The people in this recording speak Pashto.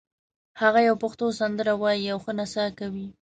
هغه یوه پښتو سندره وایي او ښه نڅا کوي